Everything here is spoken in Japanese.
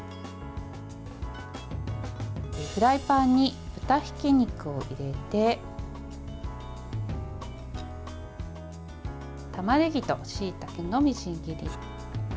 フライパンに豚ひき肉を入れてたまねぎとしいたけのみじん切り。